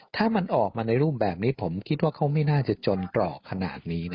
ถ้ามันออกมาในรูปแบบนี้ผมคิดว่าเขาไม่น่าจะจนเกราะขนาดนี้นะ